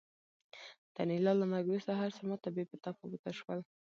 د انیلا له مرګ وروسته هرڅه ماته بې تفاوته شول